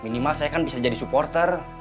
minimal saya kan bisa jadi supporter